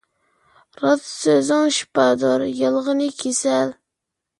راست سۆزۈڭ شىپادۇر، يالغىنى كېسەل.